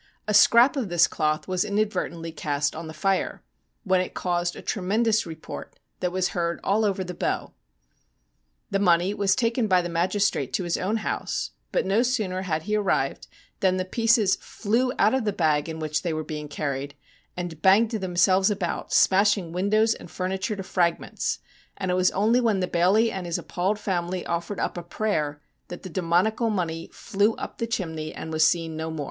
A scrap of this cloth was inadvertently cast on tho fire, when it caused a tremendous report that was heard all over the Bow. The money was taken by the magistrate to his own house, but no sooner had he arrived than the pieces flew out of the bag in which they were being carried, and banged themselves about, smashing windows and furniture to fragments, and it was only when the bailie and his appalled family offered up a prayer that the demoniacal money flew up tho chimney and was seen no more.